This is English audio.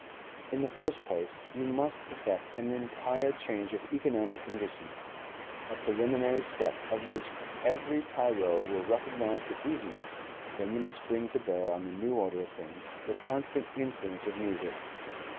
In the first place, you must effect an entire change of economic conditions: a preliminary step of which every tyro will recognise the easiness; then you must bring to bear on the new order of things the constant influence of music.